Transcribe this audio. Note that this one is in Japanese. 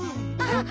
ハハハ。